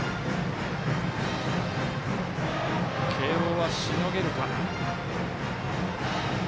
慶応はしのげるか。